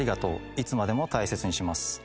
いつまでも大切にします」